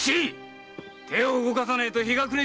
手を動かさねえと日が暮れちまうぞ！